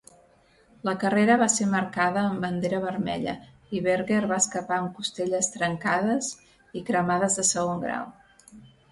La carrera va ser marcada amb bandera vermella i Berger va escapar amb costelles trencades i cremades de segon grau.